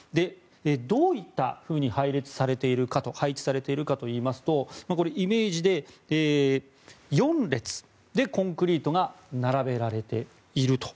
どういったふうに配置されているかといいますとイメージでいうと４列でコンクリートが並べられていると。